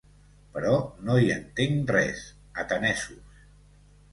Però no hi entenc res, atenesos.